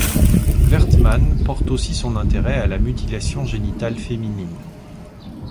Werthmann porte aussi son intérêt à la mutilation génitale féminine.